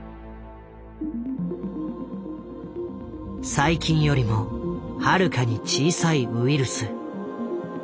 細菌よりもはるかに小さいウイルス。